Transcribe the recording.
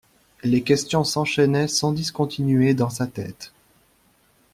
Les questions s’enchaînaient sans discontinuer dans sa tête.